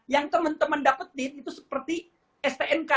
yang teman teman dapetin itu seperti stnk